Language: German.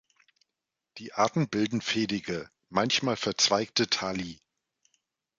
Die Arten bilden fädige, manchmal verzweigte Thalli.